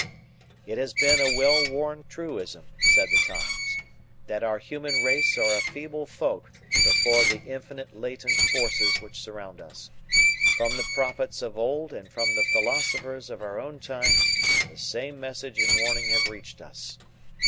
"It has been a well worn truism," said the Times, "that our human race are a feeble folk before the infinite latent forces which surround us. From the prophets of old and from the philosophers of our own time the same message and warning have reached us.